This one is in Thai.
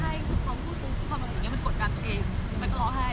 พี่พี่พบพูดปุ๊บปุ๊บพอมันแบบอย่างเนนี้มันกดกรรมเอง